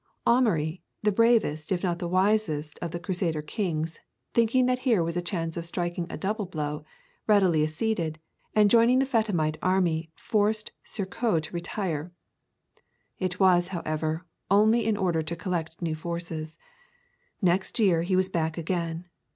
Amaury, the bravest if not the wisest of the Crusader kings, thinking that here was a chance of striking a double blow, readily acceded, and joining the Fatimite army forced Shirkoh to retire. It was, however, only in order to collect new forces. Next year he was back again.